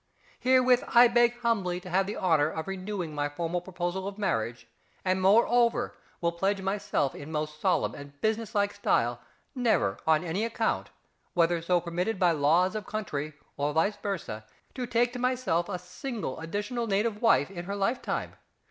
Herewith I beg humbly to have the honour of renewing my formal proposal of marriage, and moreover will pledge myself in most solemn and business like style never on any account, whether so permitted by laws of country or vice versâ, to take to myself a single additional native wife in her lifetime.